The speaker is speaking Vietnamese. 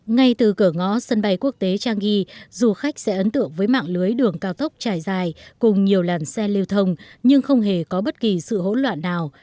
ngay từ cửa ngõ sân bay quốc tế changi du khách sẽ ấn tượng với mạng lưới đường cao tốc trải dài cùng nhiều làn xe lưu thông nhưng không hề có bất kỳ sự hỗn loạn nào